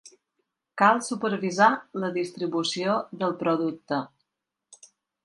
Cal supervisar la distribució del producte.